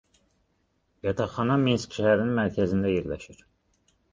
Yataqxana Minsk şəhərinin mərkəzində yerləşir.